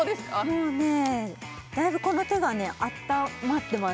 もうねだいぶこの手がねあったまってます